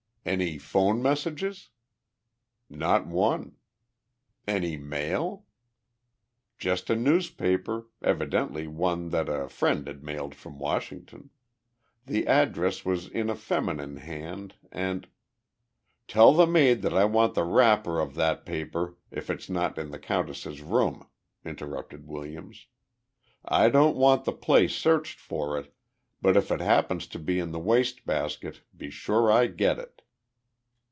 "Any phone messages?" "Not one." "Any mail?" "Just a newspaper, evidently one that a friend had mailed from Washington. The address was in a feminine hand and " "Tell the maid that I want the wrapper of that paper if it's in the countess's room," interrupted Williams. "I don't want the place searched for it, but if it happens to be in the wastebasket be sure I get it."